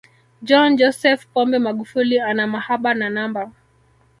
John Joseph Pombe Magufuli ana mahaba na namba